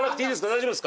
大丈夫ですか？